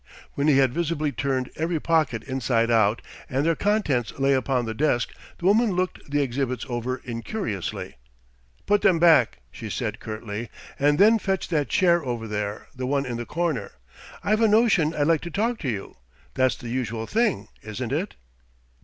When he had visibly turned every pocket inside out, and their contents lay upon the desk, the woman looked the exhibits over incuriously. "Put them back," she said curtly. "And then fetch that chair over there the one in the corner. I've a notion I'd like to talk to you. That's the usual thing, isn't it?"